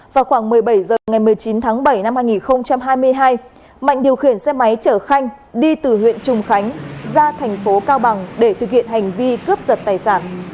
vào khoảng một mươi bảy h ngày một mươi chín tháng bảy năm hai nghìn hai mươi hai mạnh điều khiển xe máy chở khanh đi từ huyện trùng khánh ra thành phố cao bằng để thực hiện hành vi cướp giật tài sản